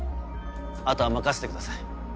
あとは任せてください。